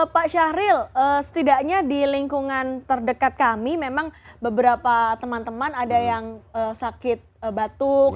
pak syahril setidaknya di lingkungan terdekat kami memang beberapa teman teman ada yang sakit batuk